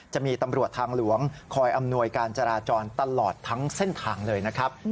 จะมีตำรวจทางหลวงคอยอำนวยการจราจรตลอดทั้งเส้นทางเลยนะครับ